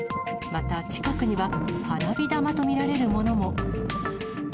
また近くには花火玉と見られるものも。